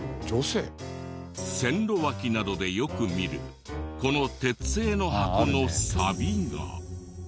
線路脇などでよく見るこの鉄製の箱のサビが。